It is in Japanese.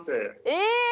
え！